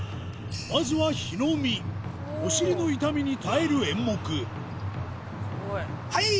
まずはお尻の痛みに耐える演目はい！